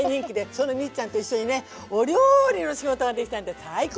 そのミッちゃんと一緒にねお料理の仕事ができたんで最高！